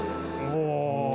おお。